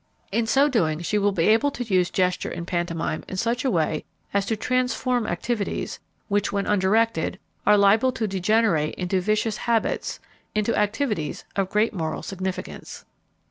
In so doing she will be able to use gesture and pantomime in such a way as to transform activities, which when undirected are liable to degenerate into vicious habits, into activities of great moral significance.